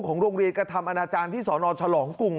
โรงเรียนกระทำอนาจารย์ที่สนฉลองกรุง